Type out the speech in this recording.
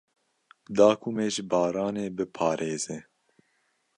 Da ku me ji baranê biparêze.